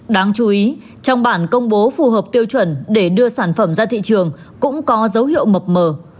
đáng chú ý trong bản công bố phù hợp tiêu chuẩn để đưa sản phẩm ra thị trường cũng có dấu hiệu mập mờ